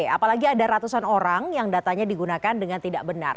apalagi ada ratusan orang yang datanya digunakan dengan tidak benar